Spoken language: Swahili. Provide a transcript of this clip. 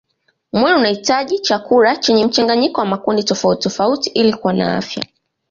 Mwili unahitaji chakula chenye mchanganyiko wa makundi tofauti tofauti ili kuwa na afya